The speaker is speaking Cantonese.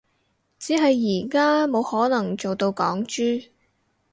只係而家冇可能做到港豬